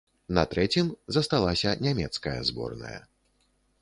На трэцім засталася нямецкая зборная.